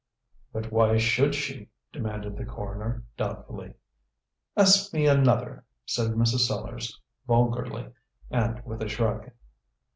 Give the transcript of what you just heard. "But why should she?" demanded the coroner, doubtfully. "Ask me another," said Mrs. Sellars vulgarly, and with a shrug.